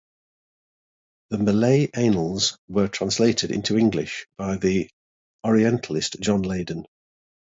The Malay Annals were translated into English by the Orientalist John Leyden.